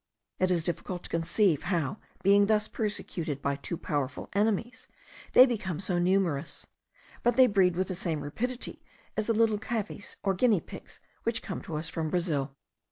It is difficult to conceive, how, being thus persecuted by two powerful enemies, they become so numerous; but they breed with the same rapidity as the little cavies or guinea pigs, which come to us from Brazil.